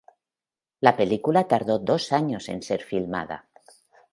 La película tardó dos años en ser filmada.